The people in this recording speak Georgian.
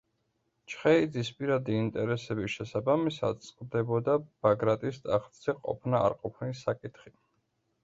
ჩხეიძის პირადი ინტერესების შესაბამისად წყდებოდა ბაგრატის ტახტზე ყოფნა-არყოფნის საკითხი.